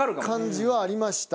感じはありました。